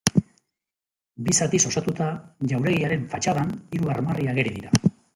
Bi zatiz osatuta, jauregiaren fatxadan hiru armarri ageri dira.